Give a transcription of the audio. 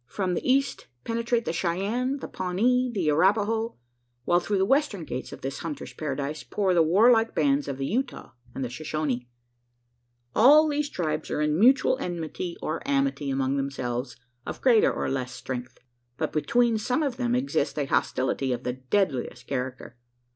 From the east penetrate, the Cheyenne, the Pawnee, and Arapaho; while through the western gates of this hunters' paradise, pour the warlike bands of the Utah and Shoshonee. All these tribes are in mutual enmity or amity amongst themselves, of greater or less strength; but between some of them exists a hostility of the deadliest character.